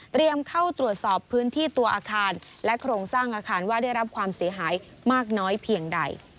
เข้าตรวจสอบพื้นที่ตัวอาคารและโครงสร้างอาคารว่าได้รับความเสียหายมากน้อยเพียงใด